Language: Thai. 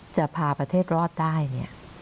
จะพาประเทศรอดได้เนี่ย